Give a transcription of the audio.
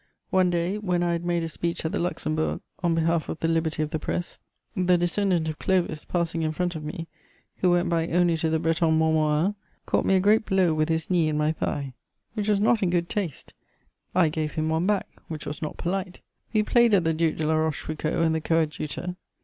One day, when I had made a speech at the Luxembourg on behalf of the liberty of the press, the descendant of Clovis, passing in front of me, who went back only to the Breton Mormoran, caught me a great blow with his knee in my thigh, which was not in good taste; I gave him one back, which was not polite: we played at the Duc de La Rochefoucauld and the Coadjutor.